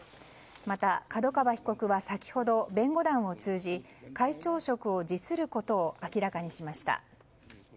また、角川被告は先ほど弁護団を通じ会長職を辞することを明らかにしました。